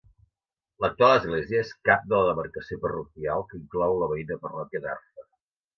L'actual església és cap de la demarcació parroquial que inclou la veïna parròquia d'Arfa.